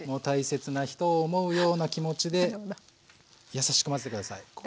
大切な人を思うような気持ちでやさしく混ぜて下さい。